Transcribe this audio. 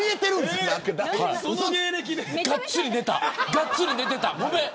がっつり寝てた、ごめん。